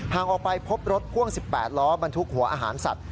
ออกไปพบรถพ่วง๑๘ล้อบรรทุกหัวอาหารสัตว